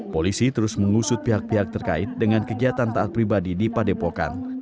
polisi terus mengusut pihak pihak terkait dengan kegiatan taat pribadi di padepokan